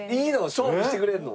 勝負してくれるの？